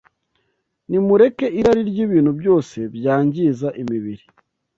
Nimureke irari ry’ibintu byose byangiza imibiri